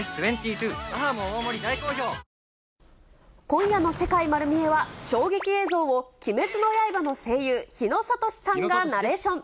今夜の世界まる見え！は、衝撃映像を鬼滅の刃の声優、日野聡さんがナレーション。